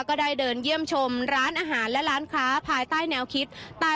ก็ได้เดินเยี่ยมชมร้านอาหารและร้านค้าภายใต้แนวคิด